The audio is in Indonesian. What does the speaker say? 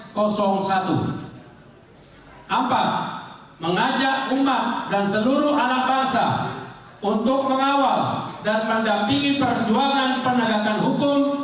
empat mengajak umat dan seluruh anak bangsa untuk mengawal dan mendampingi perjuangan penegakan hukum